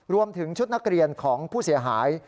รวมถึงชุดนักเรียนของผู้เสียหาย